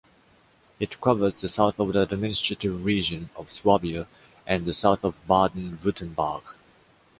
It covers the south of the administrative region of Swabia and the south of Baden-Württemberg.